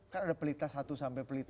kan ada pelita satu sampai pelita